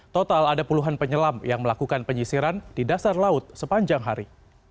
total ada puluhan penyelam yang melakukan penyisiran di dasar laut sepanjang hari